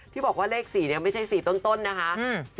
ที่บอกว่าเลข๔ไม่ใช่๔ต้นนะคะ